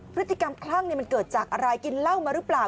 พฤติกรรมคลั่งมันเกิดจากอะไรกินเหล้ามาหรือเปล่า